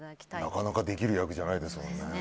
なかなかできる役じゃないですよね。